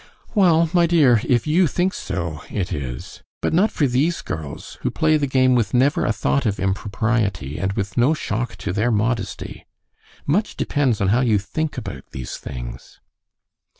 "Well, my dear, if you think so, it is. But not for these girls, who play the game with never a thought of impropriety and with no shock to their modesty. Much depends on how you think about these things."